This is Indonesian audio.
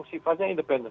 yang sifatnya independen